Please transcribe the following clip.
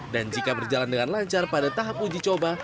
dan jika berjalan dengan lancar pada tahap uji coba